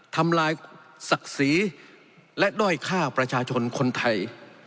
ทำลายศักดิ์ศรีและด้อยฆ่าประชาชนคนไทย